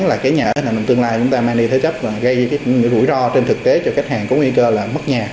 là cái nhà hệ thống tương lai chúng ta mang đi thế chấp và gây những rủi ro trên thực tế cho khách hàng có nguy cơ là mất nhà